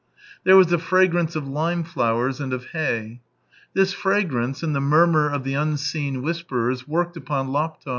There was a fragrance of lime flowers and of hay. This fragrance and the murmur of the unseen whisperers worked upon Laptev.